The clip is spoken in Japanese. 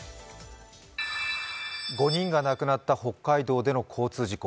５人が亡くなった北海道での交通事故。